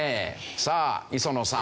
さあ磯野さん。